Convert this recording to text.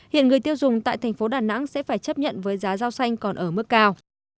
hiện người tiêu dùng tại thành phố đà nẵng sẽ phải chấp nhận với giá rau xanh còn ở mức cao